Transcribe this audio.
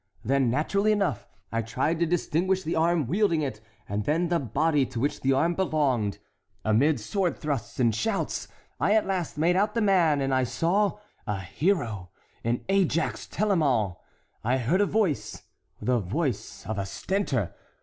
Then naturally enough I tried to distinguish the arm wielding it and then the body to which the arm belonged. Amid sword thrusts and shouts I at last made out the man and I saw—a hero, an Ajax Telamon. I heard a voice—the voice of a Stentor.